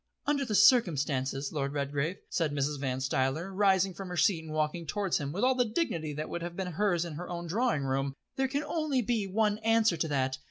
"Under the circumstances, Lord Redgrave," said Mrs. Van Stuyler, rising from her seat and walking towards him with all the dignity that would have been hers in her own drawing room, "there can only be one answer to that.